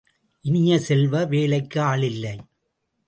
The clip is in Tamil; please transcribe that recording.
இனிய செல்வ வேலைக்கு ஆள் இல்லை!